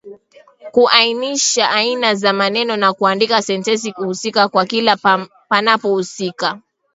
Kuainisha aina za maneno na kuandika sentensi husika kwa kila panapohusika.